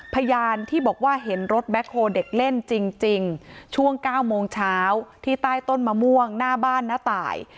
พยานที่บอกว่าเห็นรถแบ็คโฮเด็กเล่นจริงช่วง๙โมงเช้าที่ใต้ต้นมะม่วงหน้าบ้านน้าตาย